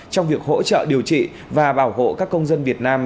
trong việc hỗ trợ điều trị và bảo hộ các công dân việt nam